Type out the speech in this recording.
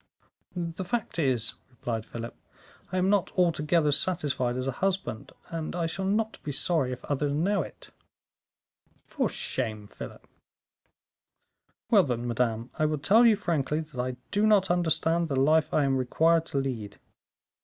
"The fact is," replied Philip, "I am not altogether satisfied as a husband, and I shall not be sorry if others know it." "For shame, Philip." "Well, then, madame, I will tell you frankly that I do not understand the life I am required to lead."